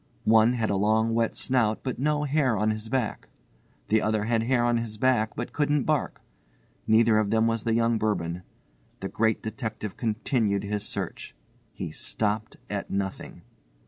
One had a long wet snout but no hair on his back. The other had hair on his back but couldn't bark. Neither of them was the young Bourbon. The Great Detective continued his search. He stopped at nothing.